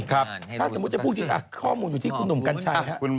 ถ้าสมมุติจะพูดจริงข้อมูลอยู่ที่คุณหนุ่มกัญชัยครับ